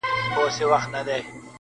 راته راکړۍ څه ډوډۍ مسلمانانو٫